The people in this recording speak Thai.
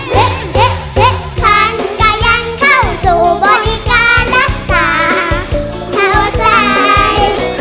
เห็ดเห็ดเห็ดพานกระยังเข้าสู่บริการรักษาเท่าใจ